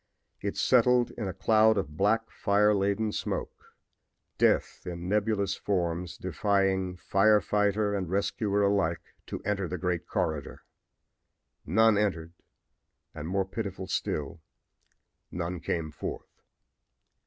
It settled in a cloud of black, fire laden smoke death in nebulous forms defying fire fighter and rescuer alike to enter the great corridor. None entered, and, more pitiful still, none came forth.